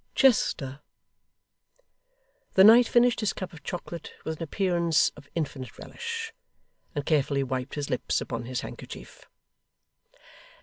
'Chester.' The knight finished his cup of chocolate with an appearance of infinite relish, and carefully wiped his lips upon his handkerchief.